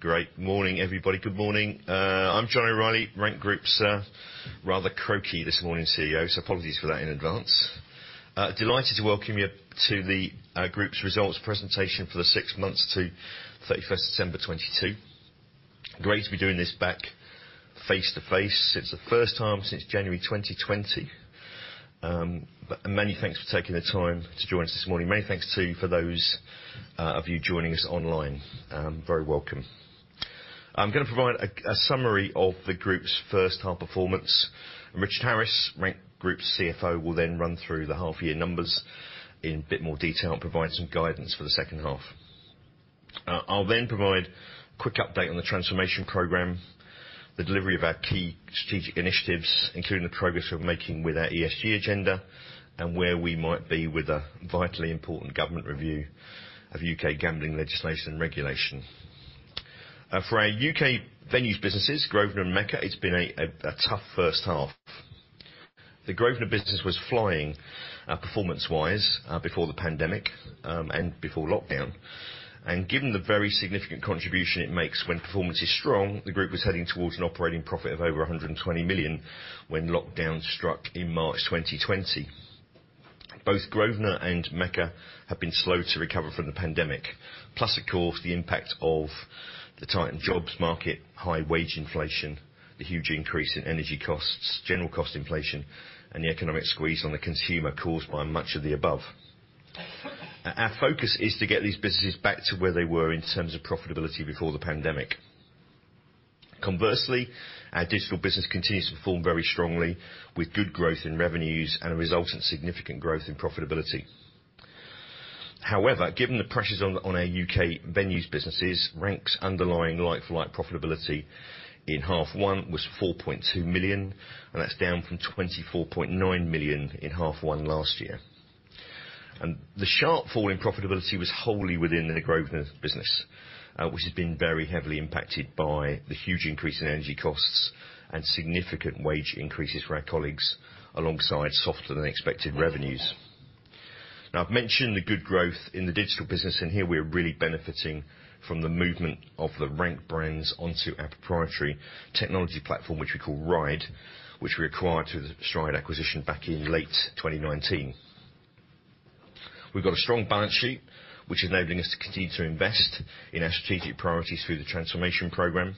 Great morning, everybody. Good morning. I'm John O'Reilly, Rank Group's rather croaky this morning CEO. Apologies for that in advance. Delighted to welcome you to the group's results presentation for the six months to 31st December 2022. Great to be doing this back face-to-face. It's the first time since January 2020. Many thanks for taking the time to join us this morning. Many thanks too for those of you joining us online. Very welcome. I'm gonna provide a summary of the group's first half performance. Richard Harris, Rank Group's CFO, will then run through the half-year numbers in a bit more detail and provide some guidance for the second half. I'll then provide a quick update on the transformation program, the delivery of our key strategic initiatives, including the progress we're making with our ESG agenda, and where we might be with a vitally important government review of U.K. gambling legislation and regulation. For our U.K. Venues businesses, Grosvenor and Mecca, it's been a tough first half. The Grosvenor business was flying, performance-wise, before the pandemic and before lockdown. Given the very significant contribution it makes when performance is strong, the group was heading towards an operating profit of over 120 million when lockdown struck in March 2020. Both Grosvenor and Mecca have been slow to recover from the pandemic. Plus, of course, the impact of the tightened jobs market, high wage inflation, the huge increase in energy costs, general cost inflation, and the economic squeeze on the consumer caused by much of the above. Our focus is to get these businesses back to where they were in terms of profitability before the pandemic. Conversely, our digital business continues to perform very strongly with good growth in revenues and a resultant significant growth in profitability. However, given the pressures on our U.K. Venues businesses, Rank's underlying like-for-like profitability in half one was 4.2 million, and that's down from 24.9 million in half one last year. The sharp fall in profitability was wholly within the Grosvenor business, which has been very heavily impacted by the huge increase in energy costs and significant wage increases for our colleagues, alongside softer than expected revenues. I've mentioned the good growth in the digital business, here we're really benefiting from the movement of the Rank brands onto our proprietary technology platform, which we call RIDE, which we acquired through the Stride acquisition back in late 2019. We've got a strong balance sheet which is enabling us to continue to invest in our strategic priorities through the transformation program.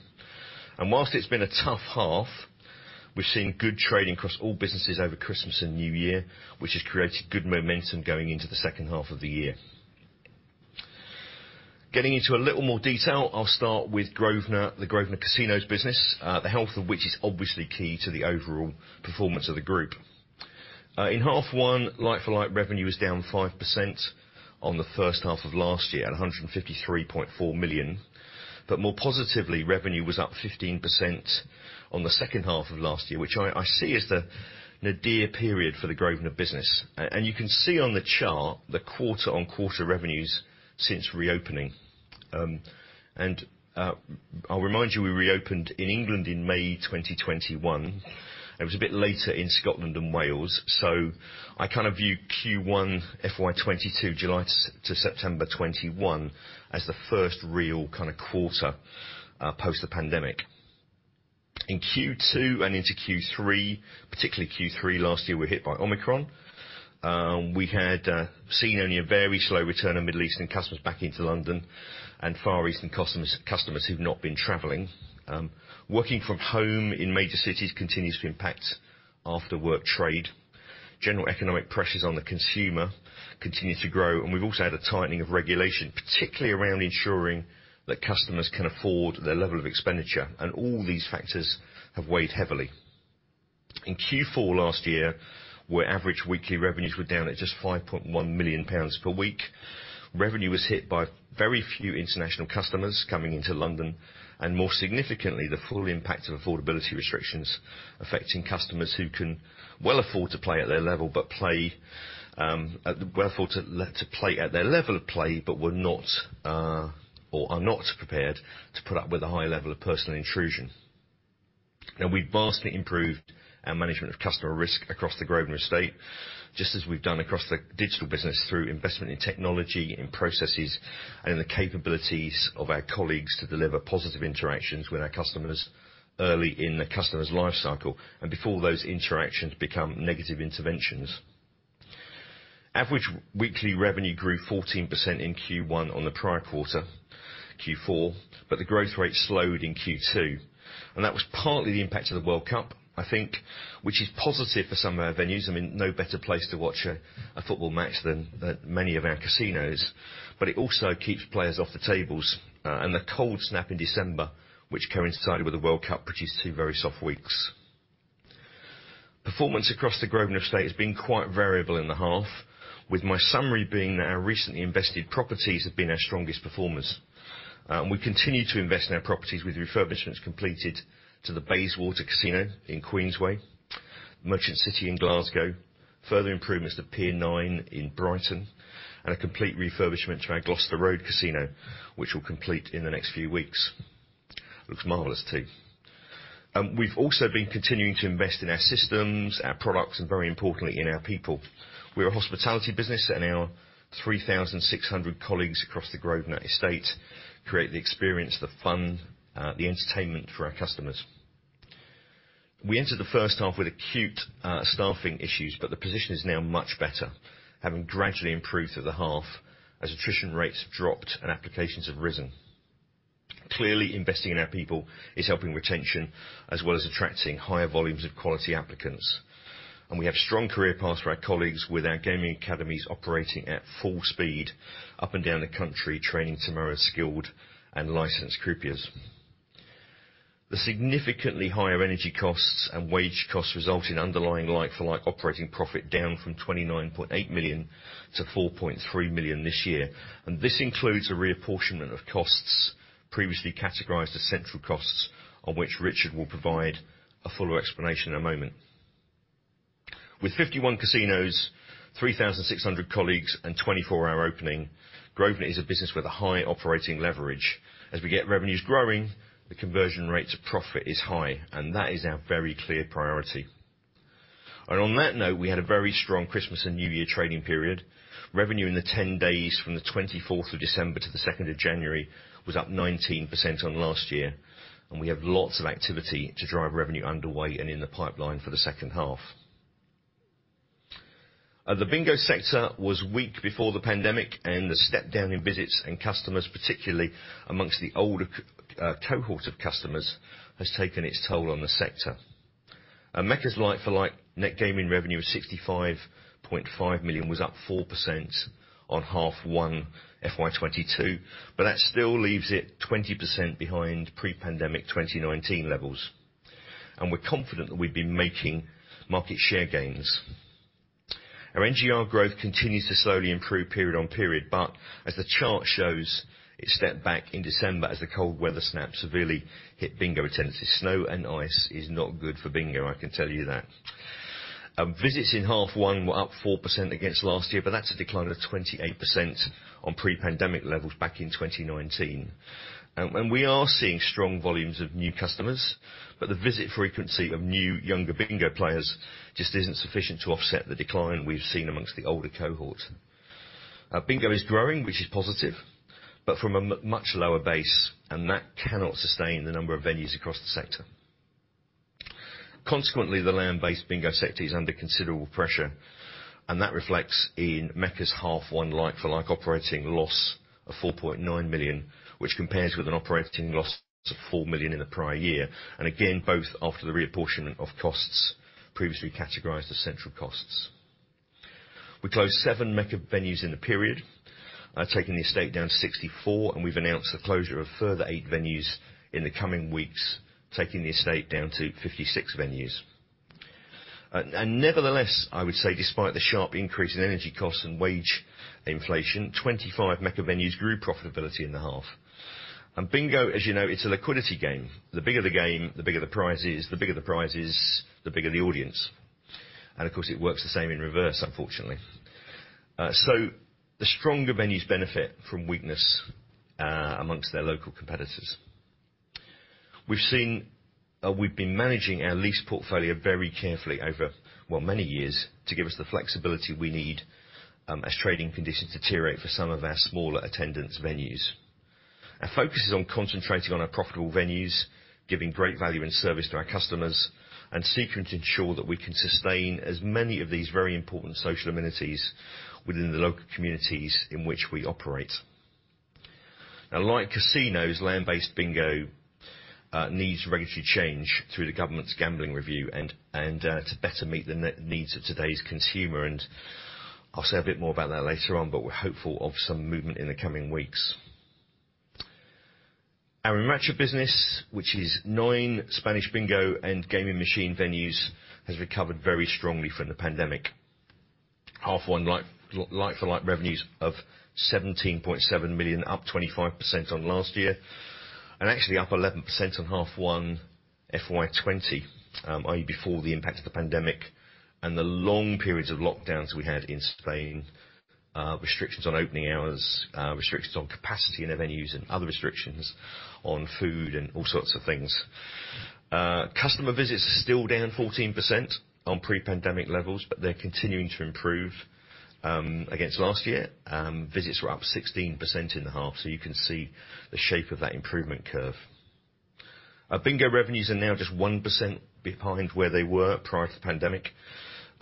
Whilst it's been a tough half, we've seen good trading across all businesses over Christmas and New Year, which has created good momentum going into the second half of the year. Getting into a little more detail, I'll start with Grosvenor, the Grosvenor Casinos business, the health of which is obviously key to the overall performance of the group. In half one, like-for-like revenue was down 5% on the first half of last year at 153.4 million. More positively, revenue was up 15% on the second half of last year, which I see as the nadir period for the Grosvenor business. You can see on the chart the quarter on quarter revenues since reopening. I'll remind you, we reopened in England in May 2021. It was a bit later in Scotland and Wales, I kind of view Q1 FY 2022, July to September 2021, as the first real kind of quarter post the pandemic. In Q2 and into Q3, particularly Q3 last year, we were hit by Omicron. We had seen only a very slow return of Middle Eastern customers back into London and Far Eastern customers who've not been traveling. Working from home in major cities continues to impact after-work trade. General economic pressures on the consumer continue to grow, we've also had a tightening of regulation, particularly around ensuring that customers can afford their level of expenditure. All these factors have weighed heavily. In Q4 last year, where average weekly revenues were down at just 5.1 million pounds per week. Revenue was hit by very few international customers coming into London, and more significantly, the full impact of affordability restrictions affecting customers who can well afford to play at their level, but were not or are not prepared to put up with a high level of personal intrusion. Now, we've vastly improved our management of customer risk across the Grosvenor estate, just as we've done across the digital business through investment in technology, in processes, and in the capabilities of our colleagues to deliver positive interactions with our customers early in the customer's life cycle and before those interactions become negative interventions. Average weekly revenue grew 14% in Q1 on the prior quarter, Q4, but the growth rate slowed in Q2, and that was partly the impact of the World Cup, I think, which is positive for some of our venues. I mean, no better place to watch a football match than many of our casinos. But it also keeps players off the tables. And the cold snap in December, which coincided with the World Cup, produced two very soft weeks. Performance across the Grosvenor estate has been quite variable in the half, with my summary being that our recently invested properties have been our strongest performers. We continue to invest in our properties with refurbishments completed to the Bayswater Casino in Queensway, Merchant City in Glasgow, further improvements to Pier Nine in Brighton, and a complete refurbishment to our Gloucester Road casino, which will complete in the next few weeks. Looks marvelous too. We've also been continuing to invest in our systems, our products, and very importantly, in our people. We're a hospitality business, and our 3,600 colleagues across the Grosvenor estate create the experience, the fun, the entertainment for our customers. We entered the first half with acute staffing issues, but the position is now much better, having gradually improved through the half as attrition rates have dropped and applications have risen. Clearly, investing in our people is helping retention, as well as attracting higher volumes of quality applicants. We have strong career paths for our colleagues with our gaming academies operating at full speed up and down the country, training tomorrow's skilled and licensed croupiers. The significantly higher energy costs and wage costs result in underlying like-for-like operating profit down from 29.8 million to 4.3 million this year. This includes a reapportionment of costs previously categorized as central costs, on which Richard will provide a fuller explanation in a moment. With 51 casinos, 3,600 colleagues, and 24-hour opening, Grosvenor is a business with a high operating leverage. As we get revenues growing, the conversion rate to profit is high, and that is our very clear priority. On that note, we had a very strong Christmas and New Year trading period. Revenue in the 10 days from the 24th of December to the 2nd of January was up 19% on last year, and we have lots of activity to drive revenue underway and in the pipeline for the second half. The Bingo sector was weak before the pandemic. The step-down in visits and customers, particularly amongst the older cohort of customers, has taken its toll on the sector. Mecca's like-for-like net gaming revenue of 65.5 million was up 4% on half one FY 2022. That still leaves it 20% behind pre-pandemic 2019 levels. We're confident that we've been making market share gains. Our NGR growth continues to slowly improve period on period, but as the chart shows, it stepped back in December as the cold weather snap severely hit Bingo attendance. Snow and ice is not good for Bingo, I can tell you that. Visits in half one were up 4% against last year, but that's a decline of 28% on pre-pandemic levels back in 2019. We are seeing strong volumes of new customers, but the visit frequency of new younger Bingo players just isn't sufficient to offset the decline we've seen amongst the older cohort. Bingo is growing, which is positive, but from a much lower base, and that cannot sustain the number of venues across the sector. Consequently, the land-based Bingo sector is under considerable pressure, and that reflects in Mecca's half one like-for-like operating loss of 4.9 million, which compares with an operating loss of 4 million in the prior year. Again, both after the reapportionment of costs previously categorized as central costs. We closed seven Mecca venues in the period, taking the estate down to 64. We've announced the closure of a further eight venues in the coming weeks, taking the estate down to 56 venues. Nevertheless, I would say despite the sharp increase in energy costs and wage inflation, 25 Mecca venues grew profitability in the half. Bingo, as you know, it's a liquidity game. The bigger the game, the bigger the prize is. The bigger the prize is, the bigger the audience. Of course, it works the same in reverse, unfortunately. The stronger venues benefit from weakness amongst their local competitors. We've been managing our lease portfolio very carefully over, well, many years to give us the flexibility we need as trading conditions deteriorate for some of our smaller attendance venues. Our focus is on concentrating on our profitable venues, giving great value and service to our customers, and seeking to ensure that we can sustain as many of these very important social amenities within the local communities in which we operate. Now, like casinos, land-based Bingo, needs regulatory change through the government's gambling review and, to better meet the needs of today's consumer. I'll say a bit more about that later on, but we're hopeful of some movement in the coming weeks. Our Enracha business, which is nine Spanish Bingo and gaming machine venues, has recovered very strongly from the pandemic. Half one like for like revenues of 17.7 million, up 25% on last year. Actually up 11% on H1 FY2020, i.e., before the impact of the pandemic and the long periods of lockdowns we had in Spain, restrictions on opening hours, restrictions on capacity in the venues and other restrictions on food and all sorts of things. Customer visits are still down 14% on pre-pandemic levels, but they're continuing to improve against last year. Visits were up 16% in the half, so you can see the shape of that improvement curve. Our Bingo revenues are now just 1% behind where they were prior to the pandemic.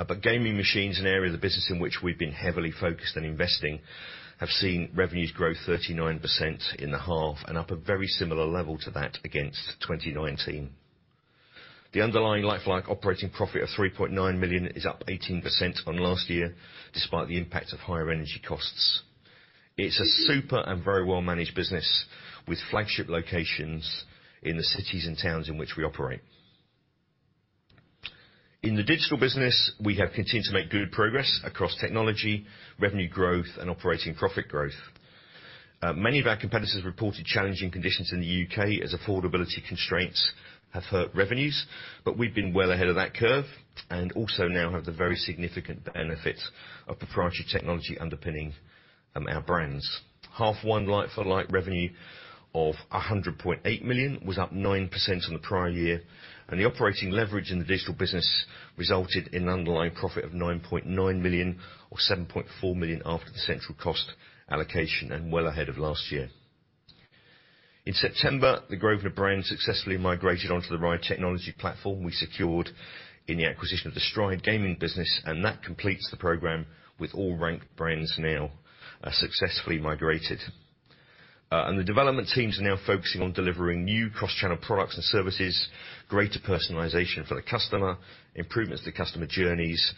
But gaming machines, an area of the business in which we've been heavily focused and investing, have seen revenues grow 39% in the half and up a very similar level to that against 2019. The underlying like-for-like operating profit of 3.9 million is up 18% on last year, despite the impact of higher energy costs. It's a super and very well-managed business with flagship locations in the cities and towns in which we operate. In the digital business, we have continued to make good progress across technology, revenue growth and operating profit growth. Many of our competitors reported challenging conditions in the U.K. as affordability constraints have hurt revenues. We've been well ahead of that curve, and also now have the very significant benefits of proprietary technology underpinning our brands. H1 like-for-like revenue of 100.8 million was up 9% from the prior year. The operating leverage in the digital business resulted in underlying profit of 9.9 million, or 7.4 million after the central cost allocation, well ahead of last year. In September, the Grosvenor brand successfully migrated onto the RIDE technology platform we secured in the acquisition of the Stride Gaming business. That completes the program with all Rank brands now as successfully migrated. The development teams are now focusing on delivering new cross-channel products and services, greater personalization for the customer, improvements to customer journeys,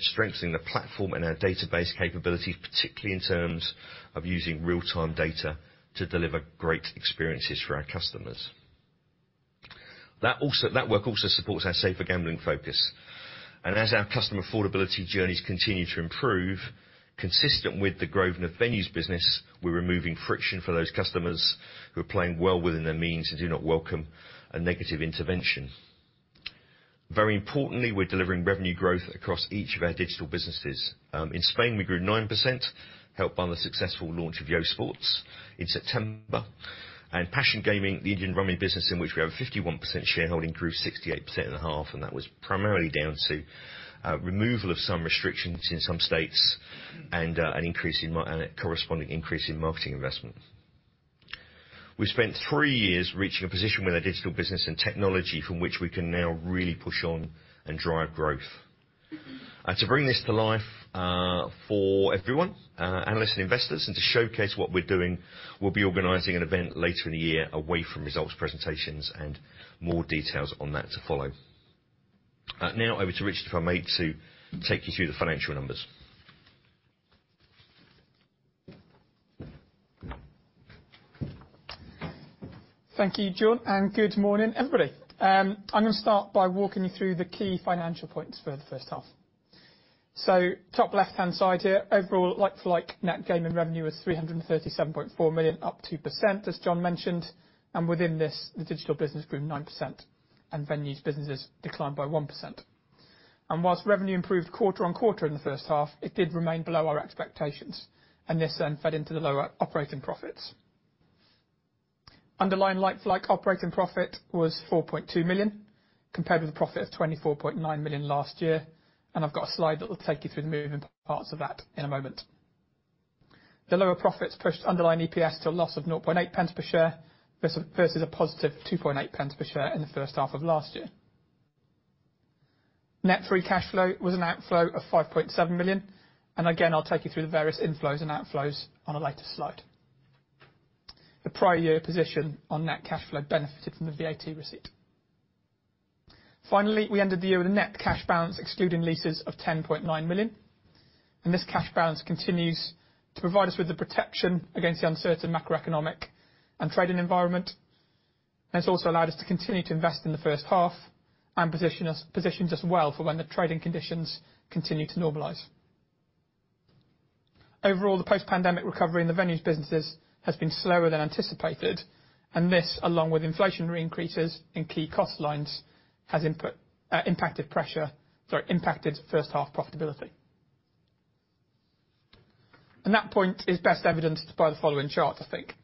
strengthening the platform and our database capability, particularly in terms of using real-time data to deliver great experiences for our customers. That work also supports our safer gambling focus. As our customer affordability journeys continue to improve, consistent with the Grosvenor Venues business, we're removing friction for those customers who are playing well within their means and do not welcome a negative intervention. Very importantly, we're delivering revenue growth across each of our digital businesses. In Spain, we grew 9%, helped by the successful launch of YoSports in September. Passion Gaming, the Indian-run business in which we have a 51% shareholding, grew 68% in the half, and that was primarily down to removal of some restrictions in some states and a corresponding increase in marketing investment. We spent three years reaching a position with our digital business and technology from which we can now really push on and drive growth. To bring this to life for everyone, analysts and investors, and to showcase what we're doing, we'll be organizing an event later in the year away from results presentations and more details on that to follow. Now over to Richard, if I may, to take you through the financial numbers. Thank you, John, and good morning, everybody. I'm gonna start by walking you through the key financial points for the first half. Top left-hand side here, overall, like-for-like net gaming revenue is 337.4 million, up 2%, as John mentioned. Within this, the digital business grew 9% and venues businesses declined by 1%. Whilst revenue improved quarter-on-quarter in the first half, it did remain below our expectations, and this then fed into the lower operating profits. Underlying like-for-like operating profit was 4.2 million, compared with a profit of 24.9 million last year, and I've got a slide that will take you through the moving parts of that in a moment. The lower profits pushed underlying EPS to a loss of 0.008 per share, versus a positive 0.028 per share in the first half of last year. Net free cash flow was an outflow of 5.7 million. Again, I'll take you through the various inflows and outflows on a later slide. The prior year position on net cash flow benefited from the VAT receipt. Finally, we ended the year with a net cash balance excluding leases of 10.9 million. This cash balance continues to provide us with the protection against the uncertain macroeconomic and trading environment. It's also allowed us to continue to invest in the first half and positions us well for when the trading conditions continue to normalize. Overall, the post-pandemic recovery in the venues businesses has been slower than anticipated. This, along with inflationary increases in key cost lines, has impacted first half profitability. That point is best evidenced by the following chart, I think,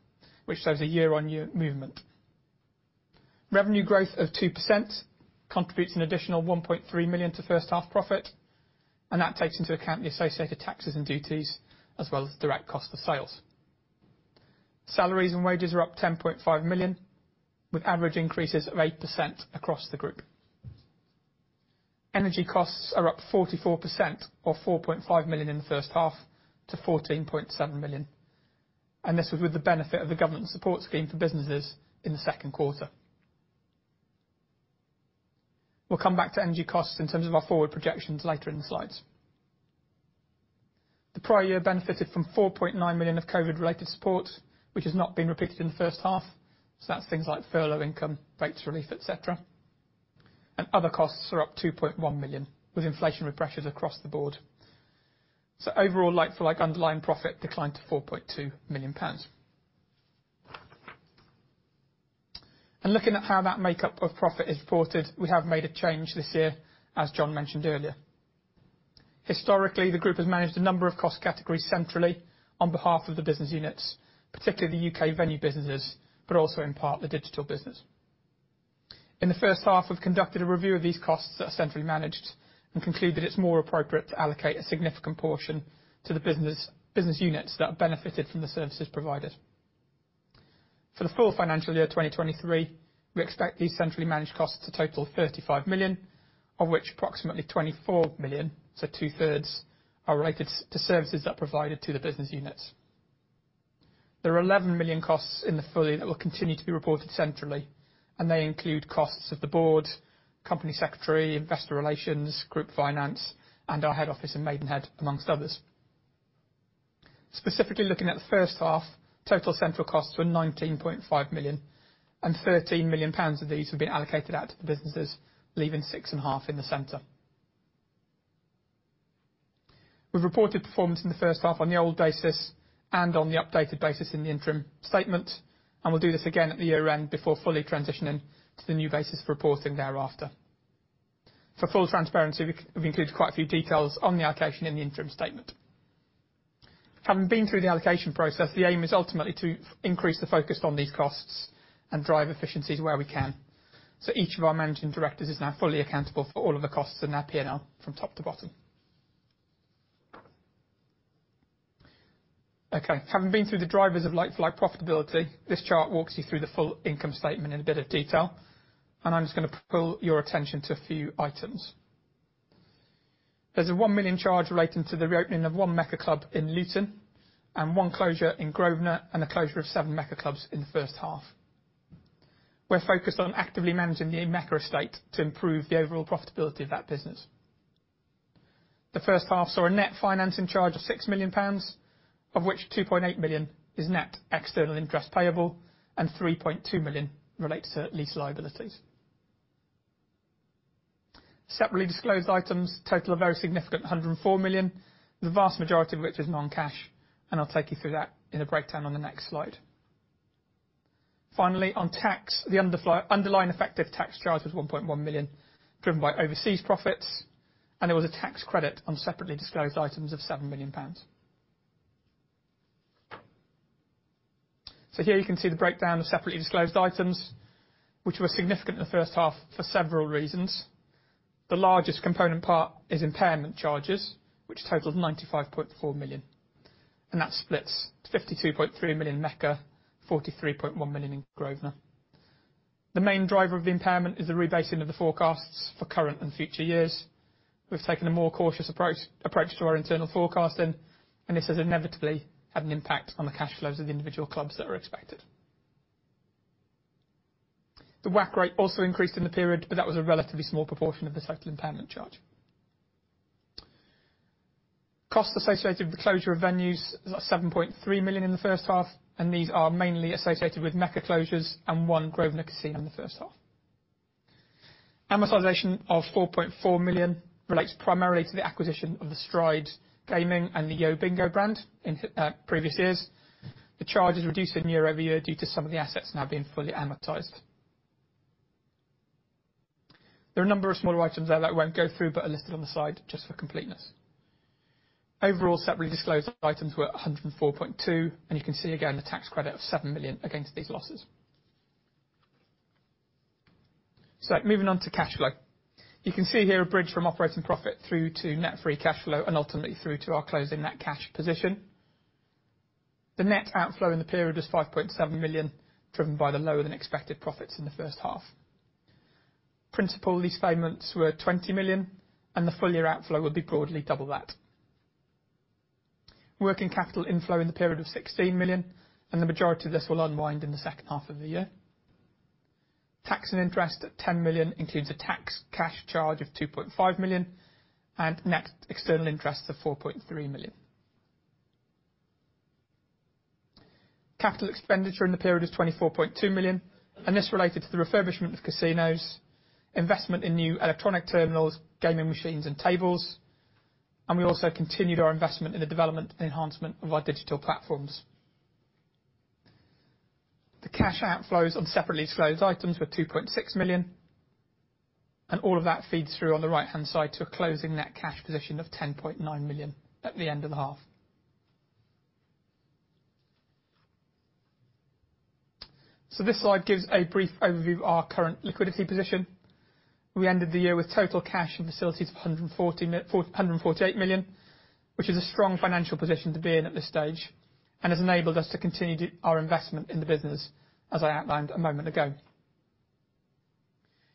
which shows a year-on-year movement. Revenue growth of 2% contributes an additional 1.3 million to first half profit. That takes into account the associated taxes and duties as well as direct cost of sales. Salaries and wages are up 10.5 million, with average increases of 8% across the group. Energy costs are up 44%, or 4.5 million in the first half, to 14.7 million. This was with the benefit of the government support scheme for businesses in the second quarter. We'll come back to energy costs in terms of our forward projections later in the slides. The prior year benefited from 4.9 million of COVID-related support, which has not been repeated in the first half. That's things like furlough income, rates relief, et cetera. Other costs are up 2.1 million, with inflationary pressures across the board. Overall, like-for-like underlying profit declined to 4.2 million pounds. Looking at how that makeup of profit is reported, we have made a change this year, as John O'Reilly mentioned earlier. Historically, the group has managed a number of cost categories centrally on behalf of the business units, particularly the U.K. venue businesses, but also in part the digital business. In the first half, we've conducted a review of these costs that are centrally managed and concluded it's more appropriate to allocate a significant portion to the business units that benefited from the services provided. For the full financial year 2023, we expect these centrally managed costs to total 35 million, of which approximately 24 million, so two-thirds, are related to services that are provided to the business units. There are 11 million costs in the fully that will continue to be reported centrally. They include costs of the board, company secretary, investor relations, group finance, and our head office in Maidenhead, among others. Specifically looking at the first half, total central costs were 19.5 million, and 13 million pounds of these have been allocated out to the businesses, leaving 6.5 million in the center. We've reported performance in the first half on the old basis and on the updated basis in the interim statement, and we'll do this again at the year-end before fully transitioning to the new basis of reporting thereafter. For full transparency, we include quite a few details on the allocation in the interim statement. Having been through the allocation process, the aim is ultimately to increase the focus on these costs and drive efficiencies where we can. Each of our managing directors is now fully accountable for all of the costs in our P&L from top to bottom. Okay. Having been through the drivers of like-for-like profitability, this chart walks you through the full income statement in a bit of detail. I'm just gonna pull your attention to a few items. There's a 1 million charge relating to the reopening of one Mecca club in Luton and one closure in Grosvenor and the closure of seven Mecca clubs in the first half. We're focused on actively managing the Mecca estate to improve the overall profitability of that business. The first half saw a net financing charge of 6 million pounds, of which 2.8 million is net external interest payable and 3.2 million relates to lease liabilities. Separately disclosed items total a very significant 104 million, the vast majority of which is non-cash. I'll take you through that in the breakdown on the next slide. Finally, on tax, the underlying effective tax charge was 1.1 million, driven by overseas profits. There was a tax credit on separately disclosed items of 7 million pounds. Here you can see the breakdown of separately disclosed items, which were significant in the first half for several reasons. The largest component part is impairment charges, which totaled 95.4 million. That splits to 52.3 million Mecca, 43.1 million in Grosvenor. The main driver of the impairment is the rebasing of the forecasts for current and future years. We've taken a more cautious approach to our internal forecasting. This has inevitably had an impact on the cash flows of the individual clubs that are expected. The WACC rate also increased in the period. That was a relatively small proportion of the total impairment charge. Costs associated with the closure of venues is at 7.3 million in the first half. These are mainly associated with Mecca closures and one Grosvenor casino in the first half. Amortization of 4.4 million relates primarily to the acquisition of the Stride Gaming and the YoBingo brand in previous years. The charge is reducing year-over-year due to some of the assets now being fully amortized. There are a number of smaller items there that I won't go through, but are listed on the side just for completeness. Overall, separately disclosed items were 104.2. You can see again the tax credit of 7 million against these losses. Moving on to cash flow. You can see here a bridge from operating profit through to net free cash flow and ultimately through to our closing net cash position. The net outflow in the period was 5.7 million, driven by the lower than expected profits in the first half. Principal lease payments were 20 million, and the full year outflow will be broadly double that. Working capital inflow in the period was 16 million, and the majority of this will unwind in the second half of the year. Tax and interest at 10 million includes a tax cash charge of 2.5 million and net external interest of 4.3 million. Capital expenditure in the period was 24.2 million, and this related to the refurbishment of casinos, investment in new electronic terminals, gaming machines and tables, and we also continued our investment in the development and enhancement of our digital platforms. The cash outflows on separately disclosed items were 2.6 million, and all of that feeds through on the right-hand side to a closing net cash position of 10.9 million at the end of the half. This slide gives a brief overview of our current liquidity position. We ended the year with total cash and facilities of 448 million, which is a strong financial position to be in at this stage and has enabled us to continue to our investment in the business, as I outlined a moment ago.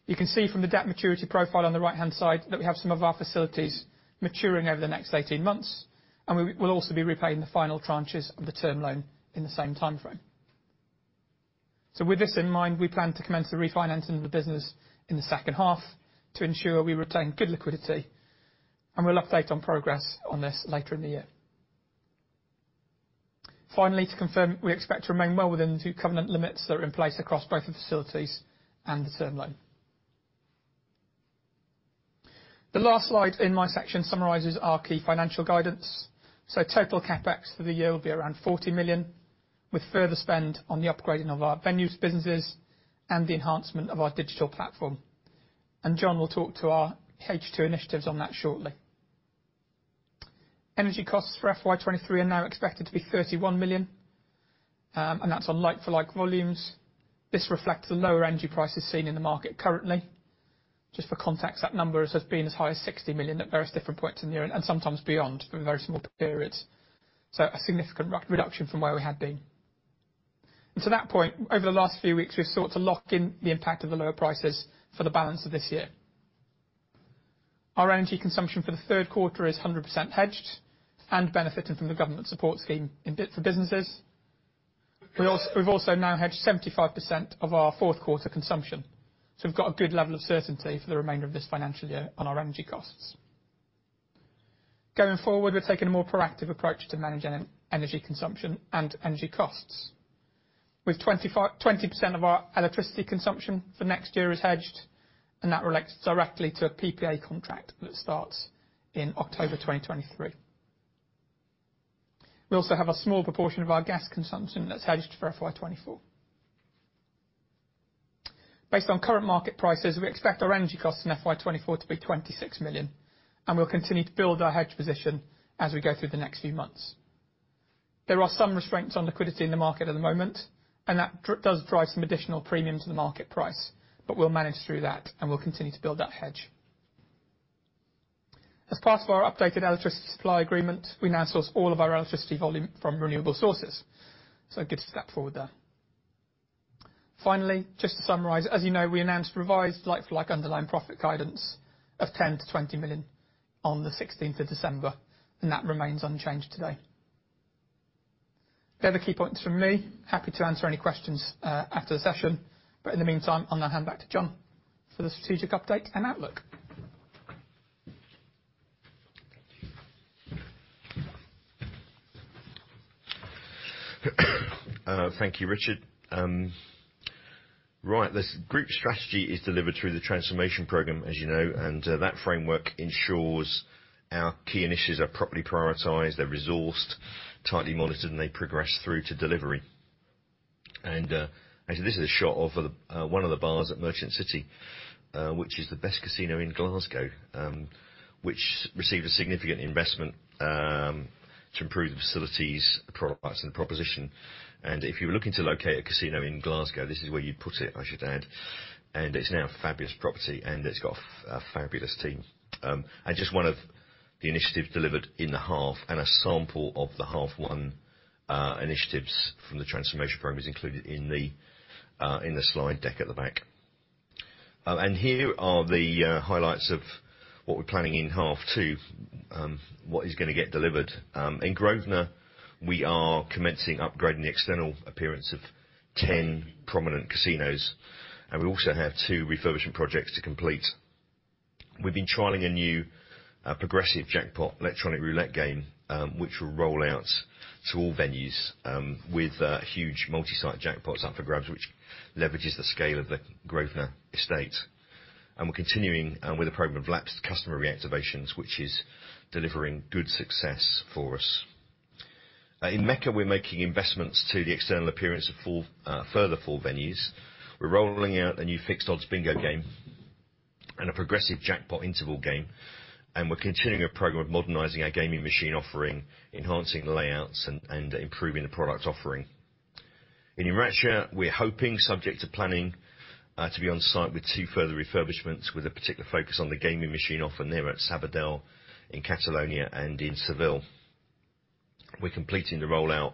You can see from the debt maturity profile on the right-hand side that we have some of our facilities maturing over the next 18 months, and we'll also be repaying the final tranches of the term loan in the same timeframe. With this in mind, we plan to commence the refinancing of the business in the second half to ensure we retain good liquidity, and we'll update on progress on this later in the year. Finally, to confirm, we expect to remain well within the two covenant limits that are in place across both the facilities and the term loan. The last slide in my section summarizes our key financial guidance. Total CapEx for the year will be around 40 million, with further spend on the upgrading of our venues businesses and the enhancement of our digital platform. John will talk to our H2 initiatives on that shortly. Energy costs for FY 2023 are now expected to be 31 million, and that's on like-for-like volumes. This reflects the lower energy prices seen in the market currently. Just for context, that number has been as high as 60 million at various different points in the year and sometimes beyond for very small periods. A significant reduction from where we had been. To that point, over the last few weeks, we've sought to lock in the impact of the lower prices for the balance of this year. Our energy consumption for the third quarter is 100% hedged and benefiting from the government support scheme for businesses. We've also now hedged 75% of our fourth quarter consumption, so we've got a good level of certainty for the remainder of this financial year on our energy costs. Going forward, we're taking a more proactive approach to managing energy consumption and energy costs. With 20% of our electricity consumption for next year is hedged, and that relates directly to a PPA contract that starts in October 2023. We also have a small proportion of our gas consumption that's hedged for FY 2024. Based on current market prices, we expect our energy costs in FY 2024 to be 26 million, and we'll continue to build our hedge position as we go through the next few months. There are some restraints on liquidity in the market at the moment, and that does drive some additional premiums in the market price, but we'll manage through that, and we'll continue to build that hedge. As part of our updated electricity supply agreement, we now source all of our electricity volume from renewable sources, so good step forward there. Finally, just to summarize, as you know, we announced revised like-for-like underlying profit guidance of 10 million-20 million on the 16th of December, and that remains unchanged today. They are the key points from me. Happy to answer any questions after the session. In the meantime, I'm gonna hand back to John for the strategic update and outlook. Thank you, Richard. Right. The group strategy is delivered through the transformation program, as you know, and that framework ensures our key initiatives are properly prioritized, they're resourced, tightly monitored, and they progress through to delivery. Actually, this is a shot of one of the bars at Merchant City, which is the best casino in Glasgow, which received a significant investment to improve the facilities, the products and the proposition. If you're looking to locate a casino in Glasgow, this is where you'd put it, I should add. It's now a fabulous property, and it's got a fabulous team. Just one of the initiatives delivered in the half and a sample of the half one initiatives from the transformation program is included in the slide deck at the back. Here are the highlights of what we're planning in half two, what is gonna get delivered. In Grosvenor, we are commencing upgrading the external appearance of 10 prominent casinos. We also have two refurbishment projects to complete. We've been trialing a new progressive jackpot electronic roulette game, which will roll out to all venues, with a huge multi-site jackpots up for grabs, which leverages the scale of the Grosvenor estate. We're continuing with a program of lapsed customer reactivations, which is delivering good success for us. In Mecca, we're making investments to the external appearance of further four venues. We're rolling out a new fixed odds Bingo game and a progressive jackpot interval game. We're continuing a program of modernizing our gaming machine offering, enhancing the layouts and improving the product offering. In Enracha, we're hoping, subject to planning, to be on site with two further refurbishments, with a particular focus on the gaming machine offering there at Sabadell, in Catalonia and in Seville. We're completing the rollout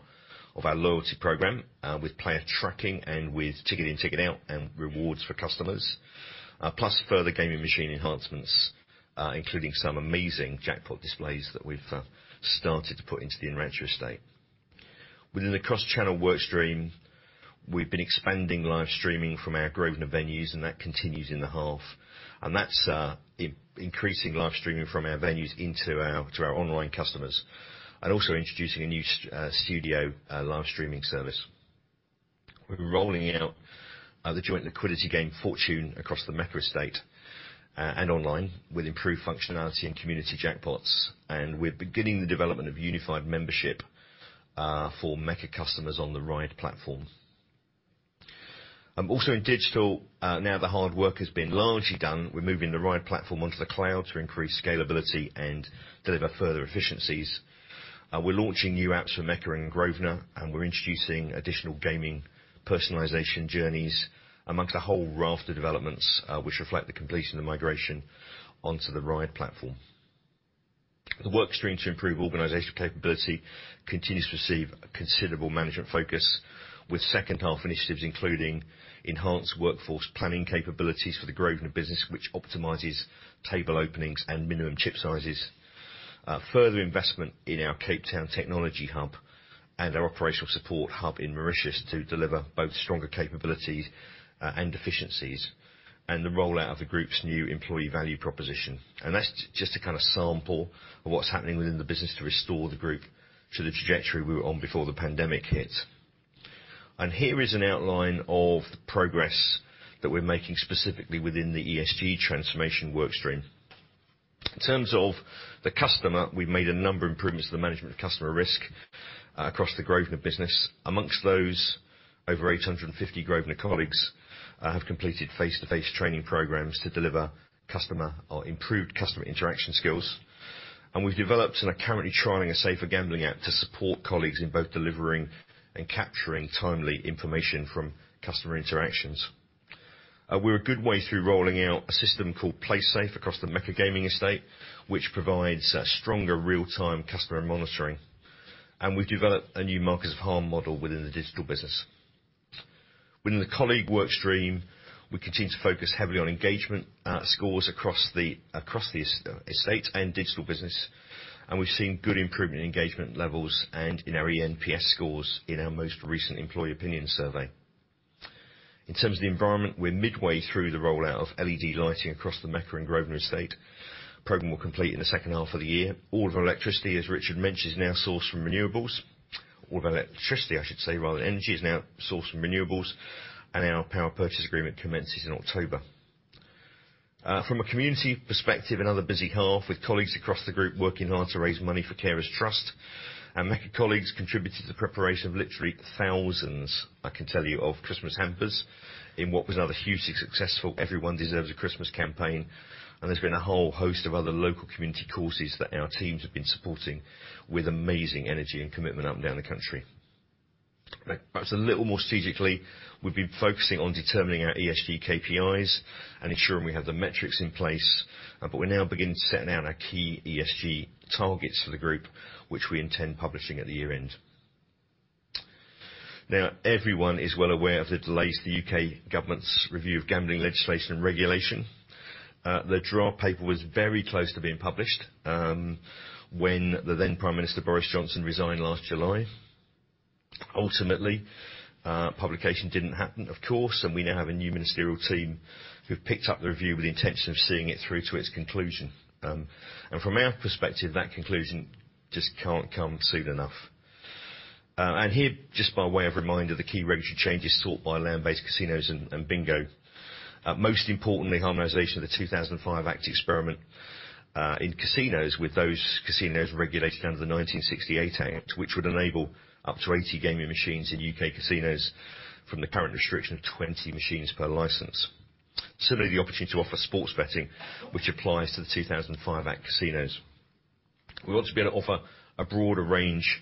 of our loyalty program, with player tracking and with ticket in, ticket out and rewards for customers, plus further gaming machine enhancements, including some amazing jackpot displays that we've started to put into the Enracha estate. Within the cross-channel work stream, we've been expanding live-streaming from our Grosvenor venues, that continues in the half. That's increasing live-streaming from our venues into our, to our online customers and also introducing a new studio, live-streaming service. We're rolling out the joint liquidity game, Fortune, across the Mecca estate and online with improved functionality and community jackpots. We're beginning the development of unified membership for Mecca customers on the RIDE platform. Also in digital, now the hard work has been largely done. We're moving the RIDE platform onto the cloud to increase scalability and deliver further efficiencies. We're launching new apps for Mecca and Grosvenor. We're introducing additional gaming personalization journeys amongst a whole raft of developments which reflect the completion of migration onto the RIDE platform. The work stream to improve organizational capability continues to receive a considerable management focus with second half initiatives, including enhanced workforce planning capabilities for the Grosvenor business, which optimizes table openings and minimum chip sizes. Further investment in our Cape Town technology hub and our operational support hub in Mauritius to deliver both stronger capabilities and efficiencies, and the rollout of the group's new employee value proposition. That's a kind of sample of what's happening within the business to restore the group to the trajectory we were on before the pandemic hit. Here is an outline of the progress that we're making specifically within the ESG transformation work stream. In terms of the customer, we've made a number of improvements to the management of customer risk across the Grosvenor business. Over 850 Grosvenor colleagues have completed face-to-face training programs to deliver improved customer interaction skills. We've developed and are currently trialing a safer gambling app to support colleagues in both delivering and capturing timely information from customer interactions. We're a good way through rolling out a system called Playsafe across the Mecca Gaming estate, which provides stronger real-time customer monitoring. We've developed a new markers of harm model within the digital business. Within the colleague work stream, we continue to focus heavily on engagement scores across the estate and digital business, and we've seen good improvement in engagement levels and in our ENPS scores in our most recent employee opinion survey. In terms of the environment, we're midway through the rollout of LED lighting across the Mecca and Grosvenor estate. Program will complete in the second half of the year. All of our electricity, as Richard mentioned, is now sourced from renewables. All of our electricity, I should say, rather, energy is now sourced from renewables, and our power purchase agreement commences in October. From a community perspective, another busy half with colleagues across the group working hard to raise money for Carers Trust. Our Mecca colleagues contributed to the preparation of literally thousands, I can tell you, of Christmas hampers in what was another hugely successful Everyone Deserves a Christmas campaign. There's been a whole host of other local community causes that our teams have been supporting with amazing energy and commitment up and down the country. Perhaps a little more strategically, we've been focusing on determining our ESG KPIs and ensuring we have the metrics in place, but we're now beginning to set down our key ESG targets for the group, which we intend publishing at the year-end. Everyone is well aware of the delays the UK government's review of gambling legislation and regulation. The draft paper was very close to being published when the then Prime Minister Boris Johnson resigned last July. Ultimately, publication didn't happen, of course. We now have a new ministerial team who've picked up the review with the intention of seeing it through to its conclusion. From our perspective, that conclusion just can't come soon enough. Here, just by way of reminder, the key regulatory changes sought by land-based casinos and Bingo. Most importantly, harmonization of the 2005 Act experiment in casinos with those casinos regulated under the 1968 Act, which would enable up to 80 gaming machines in U.K. casinos from the current restriction of 20 machines per license. Similarly, the opportunity to offer sports betting, which applies to the 2005 Act casinos. We want to be able to offer a broader range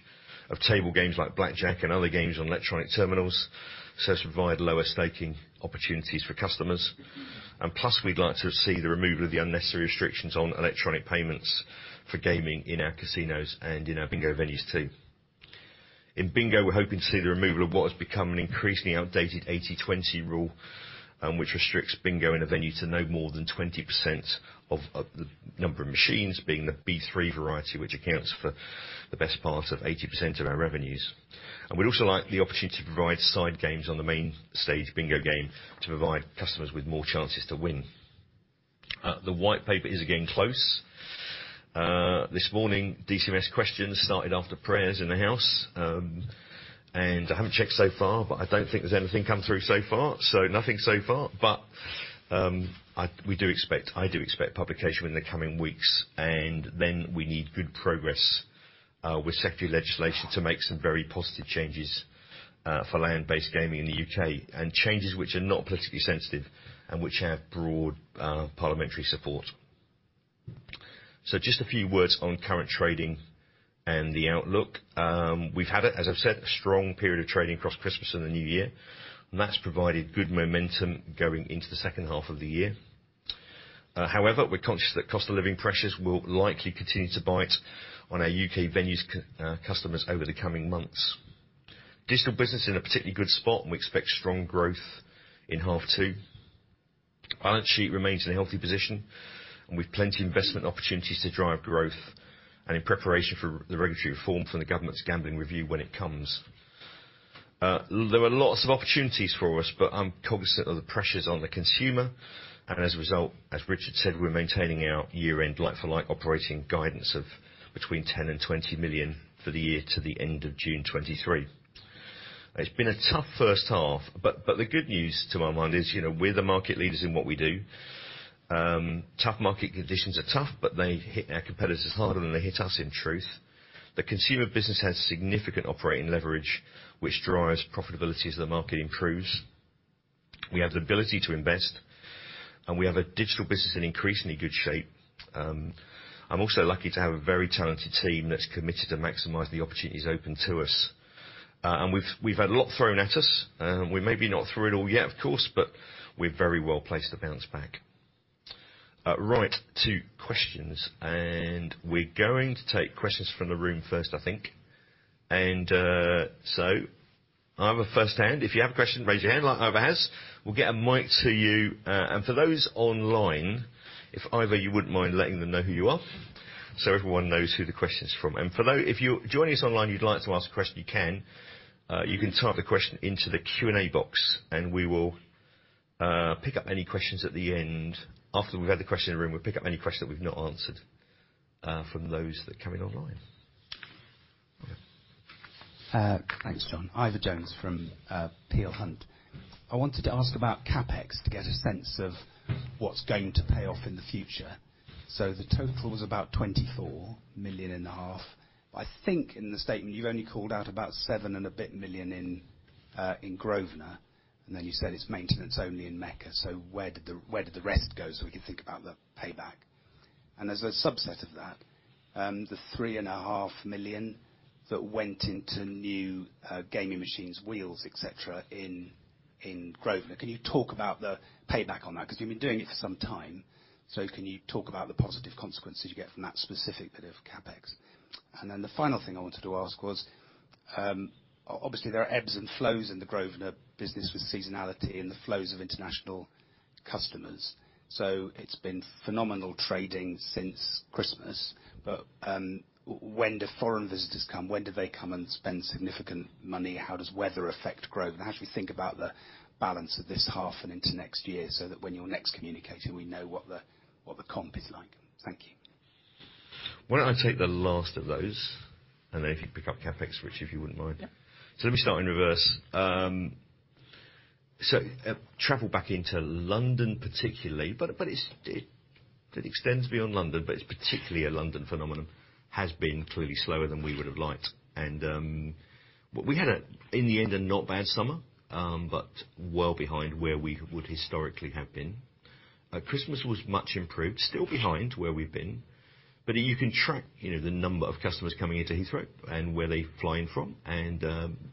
of table games like blackjack and other games on electronic terminals, so as to provide lower staking opportunities for customers. Plus, we'd like to see the removal of the unnecessary restrictions on electronic payments for gaming in our casinos and in our Bingo venues too. In Bingo, we're hoping to see the removal of what has become an increasingly outdated 80/20 rule, which restricts Bingo in a venue to no more than 20% of the number of machines being the B3 variety, which accounts for the best part of 80% of our revenues. We'd also like the opportunity to provide side games on the main stage Bingo game to provide customers with more chances to win. The White Paper is again close. This morning, DCMS questions started after prayers in the House. I haven't checked so far, but I don't think there's anything come through so far, so nothing so far. I do expect publication in the coming weeks. Then we need good progress with secondary legislation to make some very positive changes for land-based gaming in the UK, changes which are not politically sensitive and which have broad parliamentary support. Just a few words on current trading and the outlook. We've had as I've said, strong period of trading across Christmas and the New Year. That's provided good momentum going into the second half of the year. However, we're conscious that cost of living pressures will likely continue to bite on our UK venues customers over the coming months. Digital business in a particularly good spot. We expect strong growth in half two. Balance sheet remains in a healthy position with plenty investment opportunities to drive growth and in preparation for the regulatory reform from the government's Gambling Review when it comes. There are lots of opportunities for us, but I'm cognizant of the pressures on the consumer. As a result, as Richard said, we're maintaining our year-end like-for-like operating guidance of between 10 million and 20 million for the year to the end of June 2023. It's been a tough first half, but the good news to my mind is, you know, we're the market leaders in what we do. Tough market conditions are tough, but they hit our competitors harder than they hit us in truth. The consumer business has significant operating leverage, which drives profitability as the market improves. We have the ability to invest, and we have a digital business in increasingly good shape. I'm also lucky to have a very talented team that's committed to maximize the opportunities open to us. We've had a lot thrown at us, we may be not through it all yet, of course, but we're very well placed to bounce back. Right, to questions. We're going to take questions from the room first, I think. I'll have a first hand. If you have a question, raise your hand like Ivor has. We'll get a mic to you. For those online, if Ivor, you wouldn't mind letting them know who you are so everyone knows who the question is from. If you're joining us online, you'd like to ask a question, you can. You can type the question into the Q&A box and we will pick up any questions at the end. After we've had the question in the room, we'll pick up any question that we've not answered from those that came in online. Okay. Thanks, John. Ivor Jones from Peel Hunt. I wanted to ask about CapEx to get a sense of what's going to pay off in the future. The total was about 24 million and a half. I think in the statement you've only called out about 7 and a bit million in Grosvenor, and then you said it's maintenance only in Mecca. Where did the rest go, so we can think about the payback? As a subset of that, the 3.5 million that went into new gaming machines, wheels, et cetera, in Grosvenor. Can you talk about the payback on that? 'Cause you've been doing it for some time. Can you talk about the positive consequences you get from that specific bit of CapEx? The final thing I wanted to ask was, obviously there are ebbs and flows in the Grosvenor business with seasonality and the flows of international customers. It's been phenomenal trading since Christmas. When do foreign visitors come? When do they come and spend significant money? How does weather affect growth? How do we think about the balance of this half and into next year so that when you're next communicating, we know what the comp is like? Thank you. Why don't I take the last of those, and then if you pick up CapEx, Rich, if you wouldn't mind. Yeah. Let me start in reverse. Travel back into London particularly, but it extends beyond London, but it's particularly a London phenomenon, has been clearly slower than we would have liked. We had a, in the end, a not bad summer, but well behind where we would historically have been. At Christmas was much improved, still behind where we've been. You can track, you know, the number of customers coming into Heathrow and where they're flying from.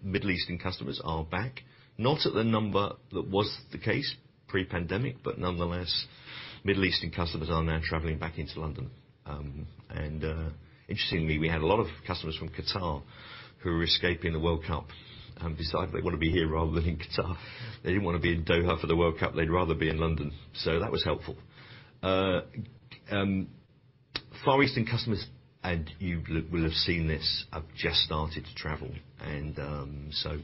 Middle Eastern customers are back, not at the number that was the case pre-pandemic, but nonetheless, Middle Eastern customers are now traveling back into London. Interestingly, we had a lot of customers from Qatar who were escaping the World Cup and decided they wanna be here rather than in Qatar. They didn't wanna be in Doha for the World Cup. They'd rather be in London. That was helpful. Far Eastern customers, and you will have seen this, have just started to travel and so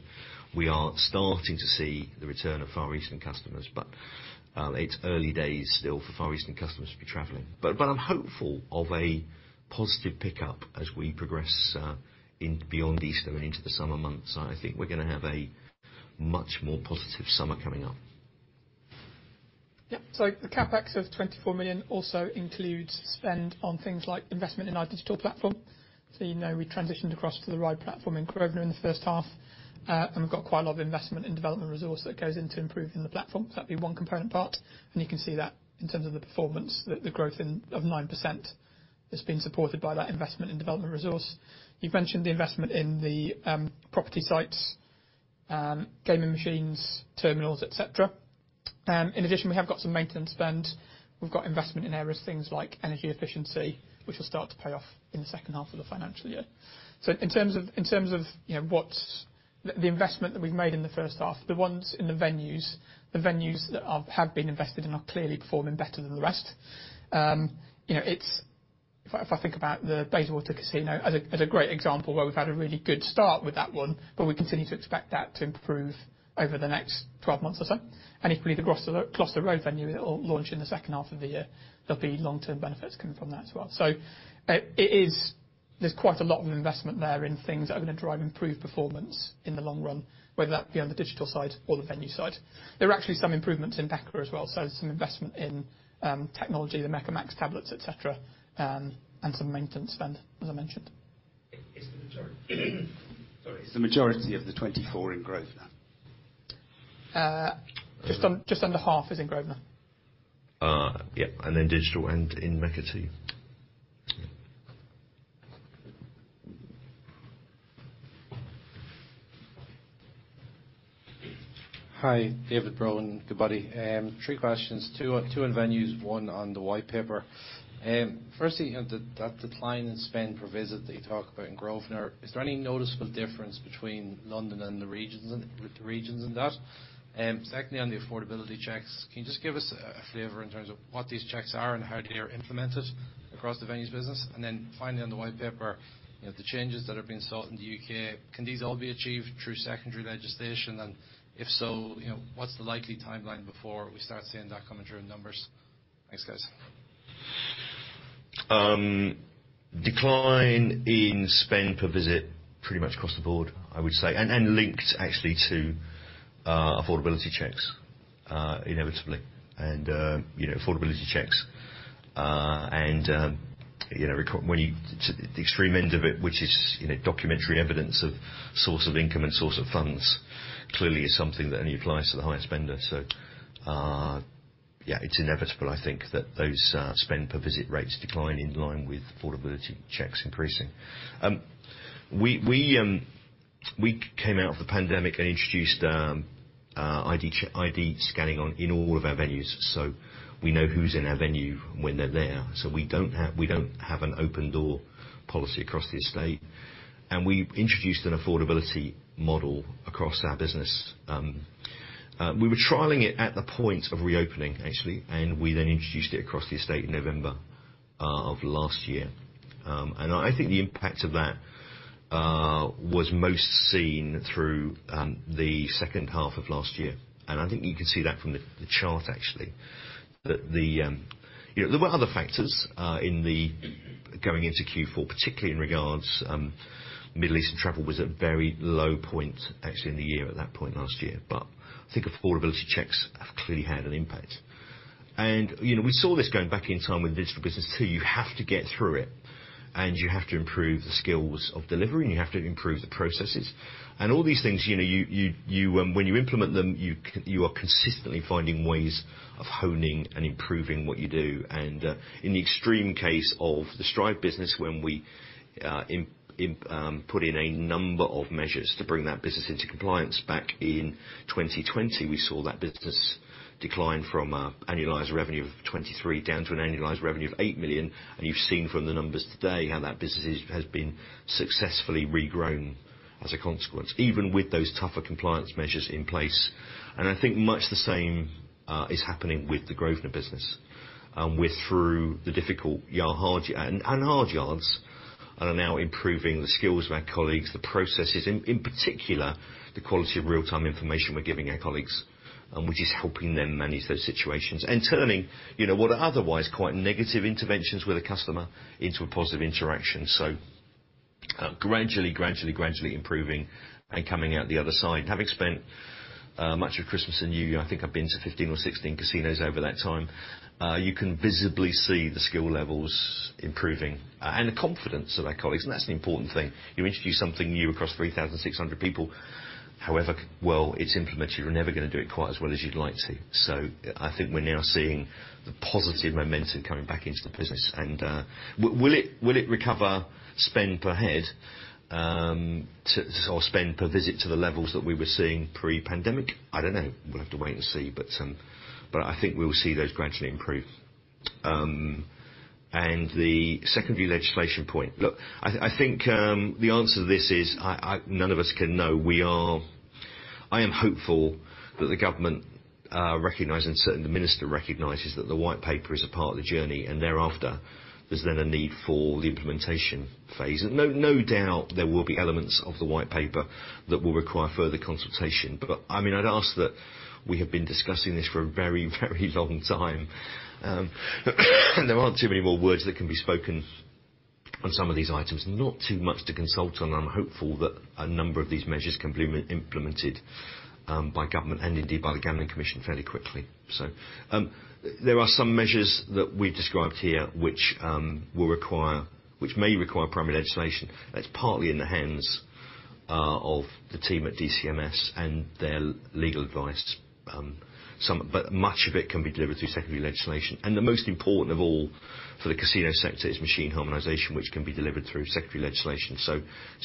we are starting to see the return of Far Eastern customers, but it's early days still for Far Eastern customers to be traveling. I'm hopeful of a positive pickup as we progress in beyond Easter and into the summer months. I think we're gonna have a much more positive summer coming up. The CapEx of 24 million also includes spend on things like investment in our digital platform. You know, we transitioned across to the RIDE platform in Grosvenor in the first half. We've got quite a lot of investment in development resource that goes into improving the platform. That'd be one component part, and you can see that in terms of the performance, the growth in, of 9% is being supported by that investment in development resource. You've mentioned the investment in the property sites, gaming machines, terminals, et cetera. In addition, we have got some maintenance spend. We've got investment in areas, things like energy efficiency, which will start to pay off in the second half of the financial year. In terms of, you know, what's the investment that we've made in the first half, the ones in the venues that have been invested in are clearly performing better than the rest. You know, If I think about the Bayswater Casino as a great example where we've had a really good start with that one, but we continue to expect that to improve over the next 12 months or so. Equally, the Gloucester Road venue that will launch in the second half of the year, there'll be long-term benefits coming from that as well. There's quite a lot of investment there in things that are gonna drive improved performance in the long run, whether that be on the digital side or the venue side. There are actually some improvements in Mecca as well, so some investment in technology, the Mecca Max tablets, et cetera, and some maintenance spend, as I mentioned. Is the majority Sorry. Is the majority of the 24 in Grosvenor? just under half is in Grosvenor. yeah, and then digital and in Mecca, too. Hi, David Brohan. Goodbody. three questions, two on venues, one on the White Paper. Firstly, on that decline in spend per visit that you talk about in Grosvenor, is there any noticeable difference between London and the regions and, with the regions in that? Secondly, on the affordability checks, can you just give us a flavor in terms of what these checks are and how they are implemented across the venues business? Finally, on the White Paper, you know, the changes that have been sought in the U.K., can these all be achieved through secondary legislation? If so, you know, what's the likely timeline before we start seeing that come through in numbers? Thanks, guys. Decline in spend per visit pretty much across the board, I would say. Linked actually to affordability checks, inevitably. You know, affordability checks. You know, when you the extreme end of it, which is, you know, documentary evidence of source of income and source of funds, clearly is something that only applies to the highest spender. Yeah, it's inevitable, I think, that those spend per visit rates decline in line with affordability checks increasing. We came out of the pandemic and introduced ID scanning on, in all of our venues, so we know who's in our venue when they're there. We don't have an open door policy across the estate. We introduced an affordability model across our business. We were trialing it at the point of reopening, actually, and we then introduced it across the estate November of last year. I think the impact of that was most seen through the second half of last year. I think you can see that from the chart, actually. You know, there were other factors going into Q4, particularly in regards, Middle Eastern travel was at a very low point actually in the year at that point last year. I think affordability checks have clearly had an impact. You know, we saw this going back in time with the digital business too. You have to get through it, and you have to improve the skills of delivery, and you have to improve the processes. All these things, you know, you, you, when you implement them, you are consistently finding ways of honing and improving what you do. In the extreme case of the Stride business, when we put in a number of measures to bring that business into compliance back in 2020, we saw that business decline from annualized revenue of 23 million down to an annualized revenue of 8 million. You've seen from the numbers today how that business is, has been successfully regrown as a consequence, even with those tougher compliance measures in place. I think much the same is happening with the Grosvenor business. We're through the difficult, hard and hard yards, and are now improving the skills of our colleagues, the processes, in particular, the quality of real-time information we're giving our colleagues, which is helping them manage those situations. Turning, you know, what are otherwise quite negative interventions with a customer into a positive interaction. Gradually, gradually improving and coming out the other side. Having spent much of Christmas and New Year, I think I've been to 15 or 16 casinos over that time, you can visibly see the skill levels improving and the confidence of our colleagues, and that's the important thing. You introduce something new across 3,600 people, however well it's implemented, you're never gonna do it quite as well as you'd like to. I think we're now seeing the positive momentum coming back into the business. Will it recover spend per head, to, or spend per visit to the levels that we were seeing pre-pandemic? I don't know. We'll have to wait and see. I think we'll see those gradually improve. The secondary legislation point. Look, I think none of us can know. I am hopeful that the government recognizes, and certainly the minister recognizes, that the White Paper is a part of the journey, and thereafter, there's then a need for the implementation phase. No doubt there will be elements of the White Paper that will require further consultation. I mean, I'd ask that we have been discussing this for a very long time. There aren't too many more words that can be spoken on some of these items. Not too much to consult on, and I'm hopeful that a number of these measures can be implemented by government and indeed by the Gambling Commission fairly quickly. There are some measures that we've described here which may require primary legislation. That's partly in the hands of the team at DCMS and their legal advice. Much of it can be delivered through secondary legislation. The most important of all for the casino sector is machine harmonization, which can be delivered through secondary legislation.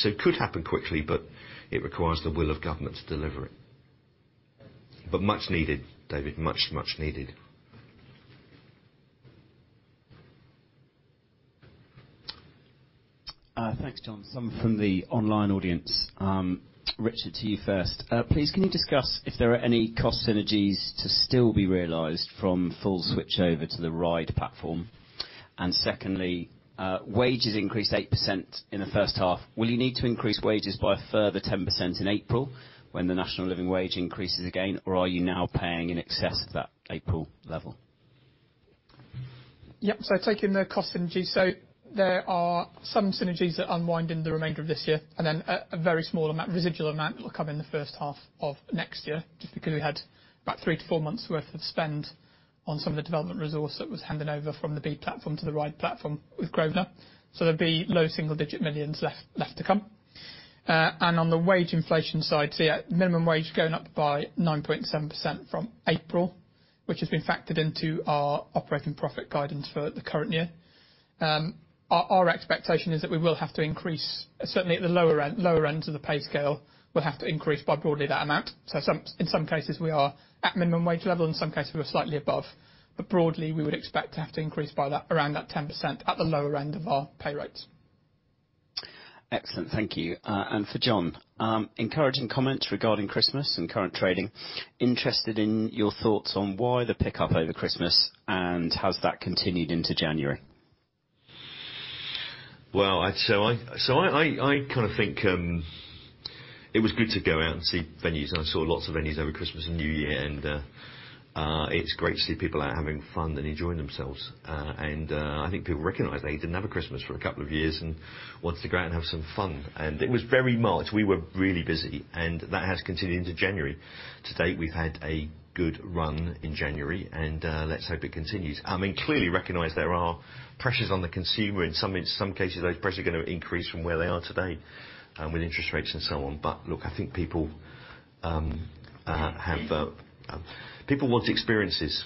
It could happen quickly, but it requires the will of government to deliver it. Much needed, David. Much needed. Thanks, John. Some from the online audience. Richard, to you first. Please can you discuss if there are any cost synergies to still be realized from full switch over to the RIDE platform? Secondly, wages increased 8% in the first half. Will you need to increase wages by a further 10% in April when the National Living Wage increases again, or are you now paying in excess of that April level? Yep. Taking the cost synergies. There are some synergies that unwind in the remainder of this year, and then a very small amount, residual amount that will come in the first half of next year, just because we had about three to four months worth of spend on some of the development resource that was handed over from the Bede platform to the RIDE platform with Grosvenor. There'll be low single-digit millions left to come. On the wage inflation side, minimum wage going up by 9.7% from April, which has been factored into our operating profit guidance for the current year. Our expectation is that we will have to increase, certainly at the lower end of the pay scale, we'll have to increase by broadly that amount. In some cases we are at minimum wage level, in some cases we're slightly above. Broadly we would expect to have to increase by that, around that 10% at the lower end of our pay rates. Excellent, thank you. For John. Encouraging comments regarding Christmas and current trading. Interested in your thoughts on why the pickup over Christmas, and has that continued into January? Well, I'd say I kind of think it was good to go out and see venues, and I saw lots of venues over Christmas and New Year and it's great to see people out having fun and enjoying themselves. I think people recognize they didn't have a Christmas for two years and wanted to go out and have some fun. It was very much, we were really busy, that has continued into January. To date, we've had a good run in January, and let's hope it continues. I mean, clearly recognize there are pressures on the consumer, in some cases those pressures are gonna increase from where they are today, with interest rates and so on. Look, I think people have people want experiences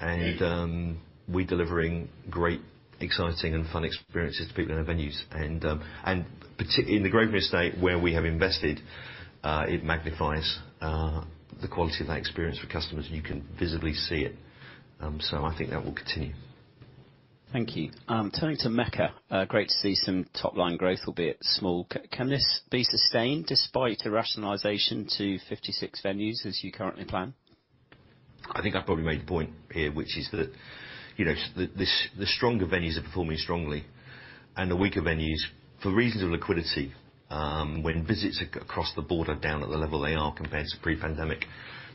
and we're delivering great, exciting and fun experiences to people in our venues. In the Grosvenor estate where we have invested, it magnifies the quality of that experience for customers, and you can visibly see it. I think that will continue. Thank you. Turning to Mecca. Great to see some top line growth, albeit small. Can this be sustained despite the rationalization to 56 venues as you currently plan? I think I've probably made the point here, which is that, you know, the stronger venues are performing strongly, and the weaker venues, for reasons of liquidity, when visits across the board are down at the level they are compared to pre-pandemic,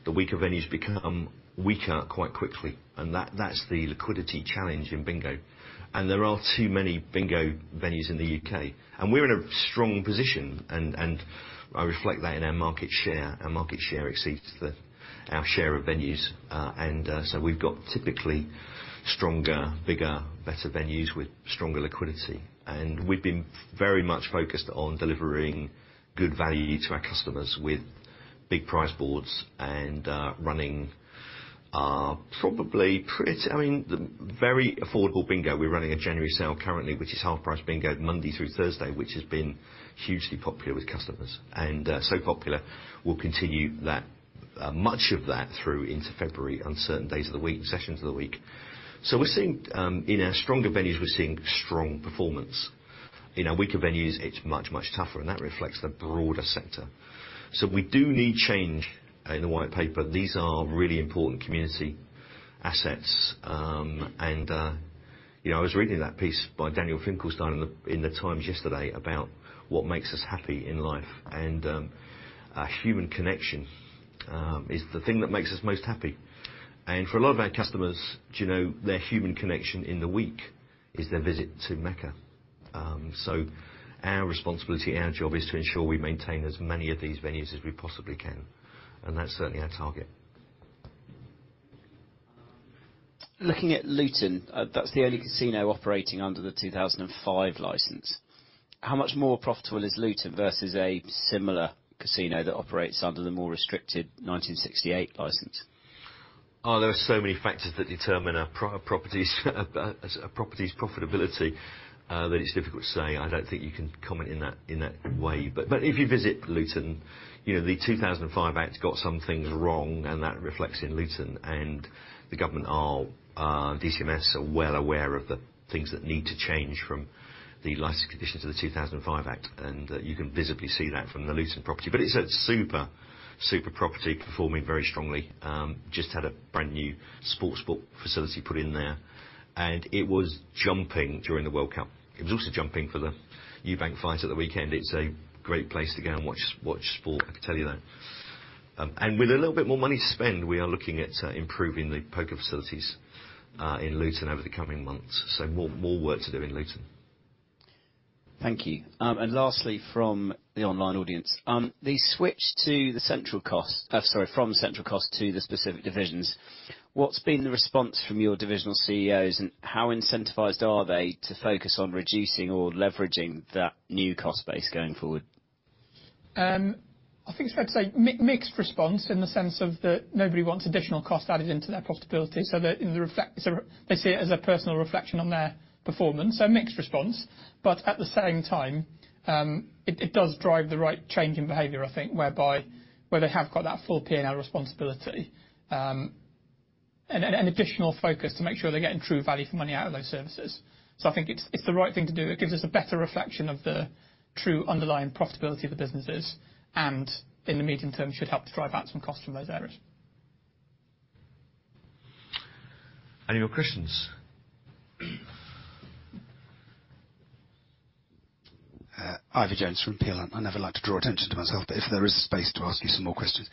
the weaker venues become weaker quite quickly. That, that's the liquidity challenge in Bingo. There are too many Bingo venues in the UK. We're in a strong position and I reflect that in our market share. Our market share exceeds the, our share of venues. We've got typically stronger, bigger, better venues with stronger liquidity. We've been very much focused on delivering good value to our customers with big prize boards and running probably I mean, the very affordable Bingo. We're running a January sale currently, which is half-price Bingo Monday through Thursday, which has been hugely popular with customers. So popular we'll continue that much of that through into February on certain days of the week, sessions of the week. We're seeing in our stronger venues, we're seeing strong performance. In our weaker venues, it's much, much tougher, and that reflects the broader sector. We do need change in the White Paper. These are really important community assets. You know, I was reading that piece by Daniel Finkelstein in The Times yesterday about what makes us happy in life, and a human connection is the thing that makes us most happy. For a lot of our customers, do you know, their human connection in the week is their visit to Mecca. Our responsibility, our job is to ensure we maintain as many of these venues as we possibly can, and that's certainly our target. Looking at Luton, that's the only casino operating under the 2005 license. How much more profitable is Luton versus a similar casino that operates under the more restricted 1968 license? There are so many factors that determine a property's profitability that it's difficult to say. I don't think you can comment in that, in that way. If you visit Luton, you know, the 2005 Act got some things wrong, and that reflects in Luton, and the government are, DCMS are well aware of the things that need to change from the licensing conditions of the 2005 Act, and you can visibly see that from the Luton property. It's a super property, performing very strongly. Just had a brand-new sports book facility put in there, and it was jumping during the World Cup. It was also jumping for the Eubank fight at the weekend. It's a great place to go and watch sport, I can tell you that. With a little bit more money to spend, we are looking at improving the poker facilities, in Luton over the coming months, so more work to do in Luton. Thank you. Lastly, from the online audience, sorry, from central cost to the specific divisions, what's been the response from your divisional CEOs, and how incentivized are they to focus on reducing or leveraging that new cost base going forward? I think it's fair to say mixed response in the sense of that nobody wants additional cost added into their profitability so that they see it as a personal reflection on their performance, so mixed response. At the same time, it does drive the right change in behavior, I think, whereby where they have got that full P&L responsibility and an additional focus to make sure they're getting true value for money out of those services. I think it's the right thing to do. It gives us a better reflection of the true underlying profitability of the businesses, and in the medium term should help to drive out some cost from those areas. Any more questions? Ivor Jones from Peel Hunt. I never like to draw attention to myself, but if there is space to ask you some more questions.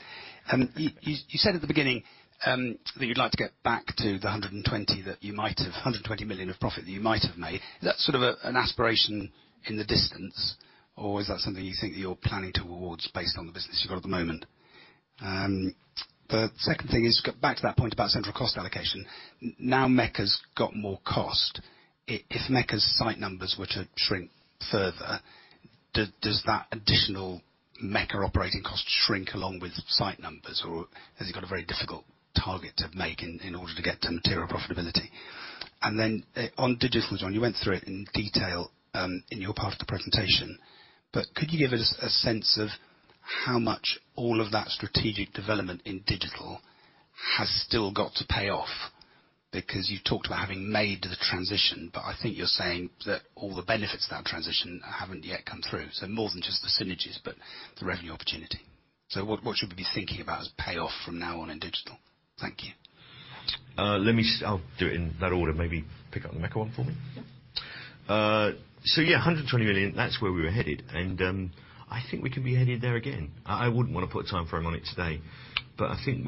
You, you said at the beginning that you'd like to get back to the 120 that you might have 120 million of profit that you might have made. Is that sort of an aspiration in the distance, or is that something you think you're planning towards based on the business you've got at the moment? The second thing is back to that point about central cost allocation. Mecca's got more cost, if Mecca's site numbers were to shrink further, does that additional Mecca operating cost shrink along with site numbers, or has it got a very difficult target to make in order to get to material profitability? On digital, John, you went through it in detail in your part of the presentation, but could you give us a sense of how much all of that strategic development in digital has still got to pay off? You talked about having made the transition, but I think you're saying that all the benefits of that transition haven't yet come through. More than just the synergies, but the revenue opportunity. What, what should we be thinking about as payoff from now on in digital? Thank you. I'll do it in that order. Maybe pick up the Mecca one for me. Yeah. Yeah, 120 million, that's where we were headed. I think we can be headed there again. I wouldn't wanna put a timeframe on it today, but I think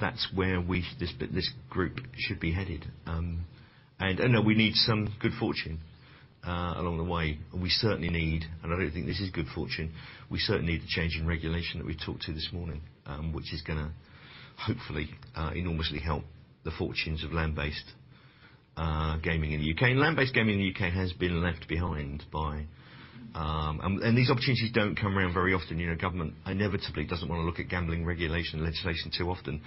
that's where we, this group should be headed. You know, we need some good fortune along the way. We certainly need, and I don't think this is good fortune, we certainly need the change in regulation that we talked to this morning, which is gonna hopefully enormously help the fortunes of land-based gaming in the U.K. Land-based gaming in the U.K. has been left behind by. These opportunities don't come around very often. You know, government inevitably doesn't wanna look at gambling regulation legislation too often,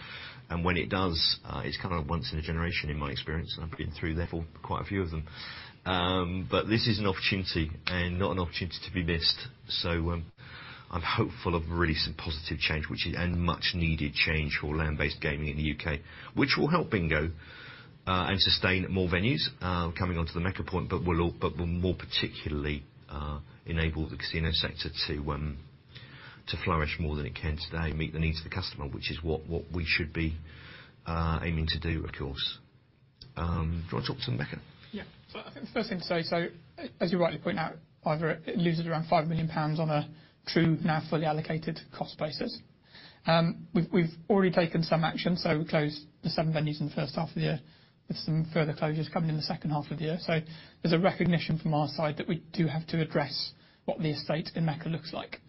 and when it does, it's kind of a once in a generation in my experience, and I've been through therefore quite a few of them. This is an opportunity and not an opportunity to be missed. I'm hopeful of really some positive change, much needed change for land-based gaming in the UK, which will help Bingo and sustain more venues, coming onto the Mecca point, but will more particularly enable the casino sector to flourish more than it can today and meet the needs of the customer, which is what we should be aiming to do, of course. Do you wanna talk to them, Mecca? Yeah. I think the first thing to say, as you rightly point out, Ivor, it loses around 5 million pounds on a true now fully allocated cost basis. We've already taken some action, we closed the seven venues in the first half of the year with some further closures coming in the second half of the year. There's a recognition from our side that we do have to address what the estate in Mecca looks like.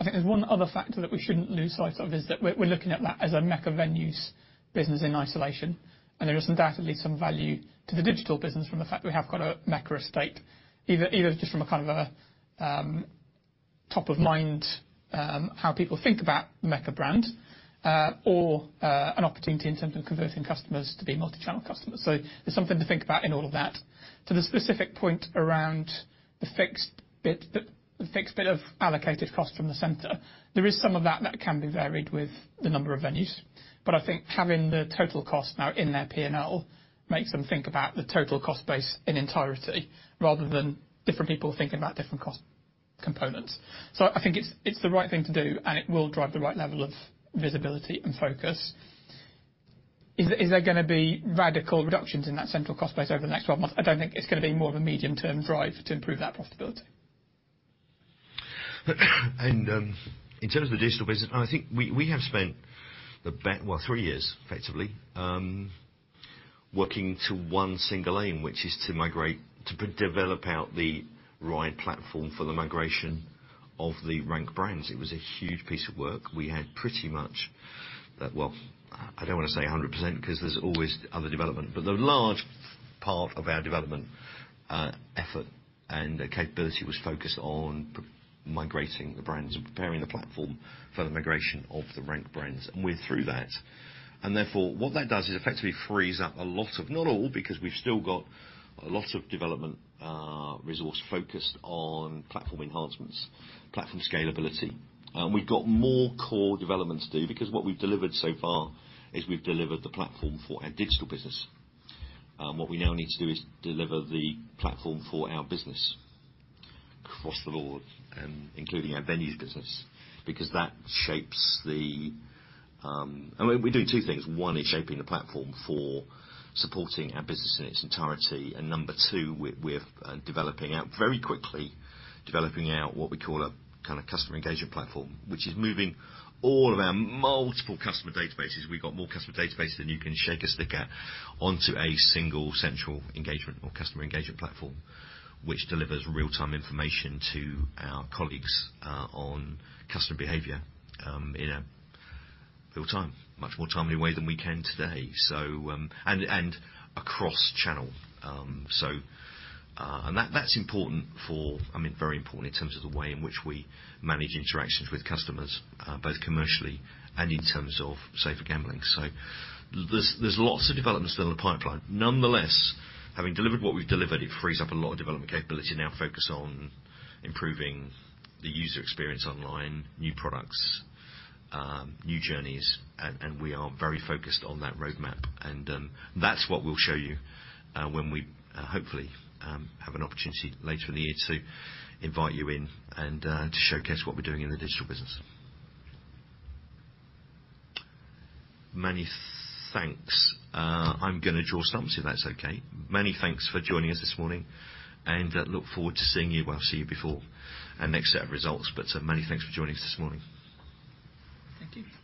I think there's one other factor that we shouldn't lose sight of is that we're looking at that as a Mecca venues business in isolation. There is undoubtedly some value to the digital business from the fact we have got a Mecca estate, either just from a kind of a top of mind how people think about Mecca brand or an opportunity in terms of converting customers to be multichannel customers. There's something to think about in all of that. To the specific point around the fixed bit of allocated cost from the center, there is some of that that can be varied with the number of venues. I think having the total cost now in their P&L makes them think about the total cost base in entirety rather than different people thinking about different costs. components. I think it's the right thing to do, and it will drive the right level of visibility and focus. Is there gonna be radical reductions in that central cost base over the next 12 months? I don't think it's gonna be more of a medium-term drive to improve that profitability. In terms of the digital business, I think we have spent the best 3 years effectively working to one single aim, which is to migrate, to develop out the right platform for the migration of the Rank brands. It was a huge piece of work. We had pretty much, I don't wanna say 100% 'cause there's always other development, but the large part of our development effort and capability was focused on migrating the brands and preparing the platform for the migration of the Rank brands. We're through that. What that does is effectively frees up a lot of... Not all, because we've still got a lot of development resource focused on platform enhancements, platform scalability. We've got more core development to do because what we've delivered so far is we've delivered the platform for our digital business. What we now need to do is deliver the platform for our business across the board and including our Venues business, because that shapes the. I mean, we do two things. One is shaping the platform for supporting our business in its entirety, and number two, we're developing out very quickly, developing out what we call a kinda customer engagement platform, which is moving all of our multiple customer databases, we've got more customer databases than you can shake a sticker, onto a single central engagement or customer engagement platform, which delivers real-time information to our colleagues, on customer behavior, in a real-time, much more timely way than we can today. Across channel. That's important for... I mean, very important in terms of the way in which we manage interactions with customers, both commercially and in terms of safer gambling. There's lots of developments down the pipeline. Nonetheless, having delivered what we've delivered, it frees up a lot of development capability now focused on improving the user experience online, new products, new journeys. We are very focused on that roadmap. That's what we'll show you when we hopefully have an opportunity later in the year to invite you in and to showcase what we're doing in the digital business. Many thanks. I'm gonna draw stumps if that's okay. Many thanks for joining us this morning, and look forward to seeing you. Well, I'll see you before our next set of results, but many thanks for joining us this morning. Thank you.